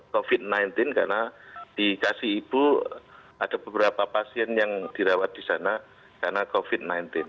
karena dikasih ibu ada beberapa pasien yang dirawat di sana karena covid sembilan belas